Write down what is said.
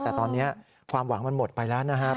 แต่ตอนนี้ความหวังมันหมดไปแล้วนะครับ